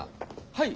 はい。